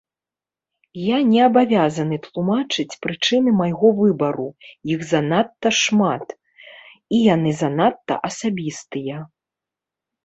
Я не абавязаны тлумачыць прычыны майго выбару, іх занадта шмат, і яны занадта асабістыя.